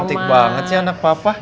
cantik banget sih anak papa